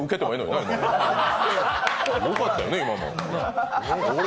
よかったよね、今。